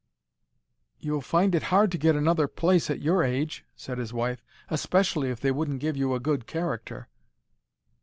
"You'd find it hard to get another place at your age," said his wife; "especially if they wouldn't give you a good character."